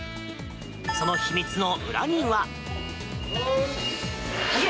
その秘密の裏には。